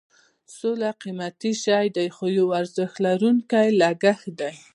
سوله قیمتي شی دی خو یو ارزښت لرونکی لګښت دی.